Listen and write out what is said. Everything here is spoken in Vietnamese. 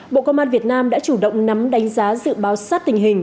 bộ công an việt nam đã chủ động nắm đánh giá dự báo sát tình hình